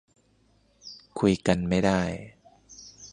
คุยกันไม่ได้